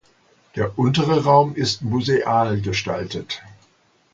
Der untere Raum ist museal gestaltet.